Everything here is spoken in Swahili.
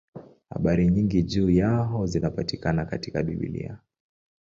Habari nyingi juu yao zinapatikana katika Biblia.